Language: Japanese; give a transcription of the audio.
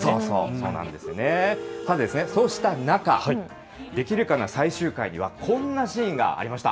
そうした中、できるかな最終回にはこんなシーンがありました。